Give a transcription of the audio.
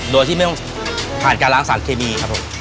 โดยที่ไม่ต้องผ่านการล้างสารเคมีครับผม